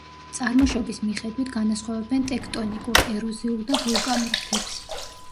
წარმოშობის მიხედვით განასხვავებენ ტექტონიკურ, ეროზიულ და ვულკანურ მთებს.